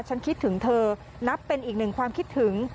ฉันคิดถึงเธอนับเป็นอีกหนึ่งความคิดถึง